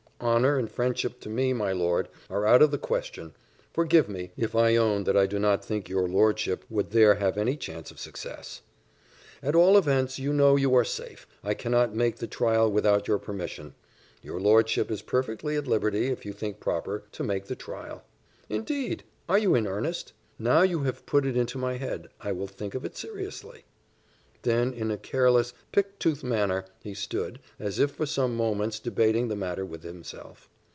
"Honour and friendship to me, my lord, are out of the question: forgive me, if I own that I do not think your lordship would there have any chance of success." "At all events you know you are safe; I cannot make the trial without your permission." "Your lordship is perfectly at liberty, if you think proper, to make the trial." "Indeed! Are you in earnest? Now you have put it into my head, I will think of it seriously." Then in a careless, pick tooth manner, he stood, as if for some moments debating the matter with himself.